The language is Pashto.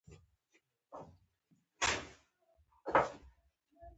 ده ته یې ځان رساو.